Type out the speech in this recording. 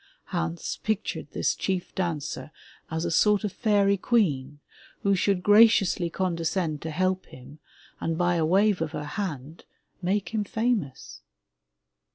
Hans pictured this chief dancer as a sort of fairy queen, who should graciously condescend to help him and, by a wave of her hand, make him famous.